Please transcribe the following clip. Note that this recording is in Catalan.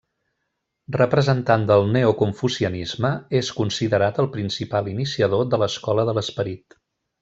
Representant del neoconfucianisme, és considerat el principal iniciador de l'Escola de l'Esperit.